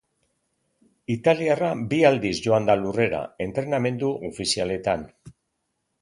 Italiarra bi aldiz joan da lurrera entrenamendu ofizialetan.